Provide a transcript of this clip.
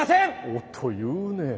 おっと言うねぇ。